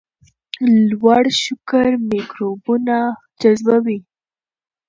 لوړ شکر میکروبونه جذبوي.